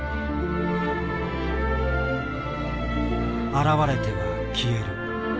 現れては消える。